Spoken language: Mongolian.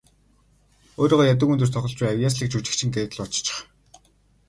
Өөрийгөө ядуугийн дүрд тоглож буй авъяаслагжүжигчин гээд л бодчих.